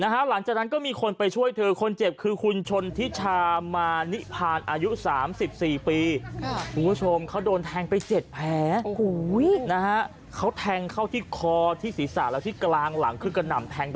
หลังจากนั้นมีคนไปช่วยเธอคนเจ็บคือคุณชนทิศามาณิพาน